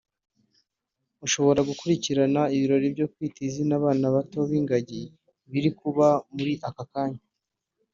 ushobora gukurikira ibirori byo Kwita Izina abana bato b’ingagi biri kuba muri aka kanya